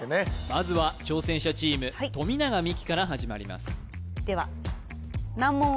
まずは挑戦者チーム富永美樹から始まりますでは